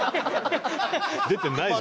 出てない。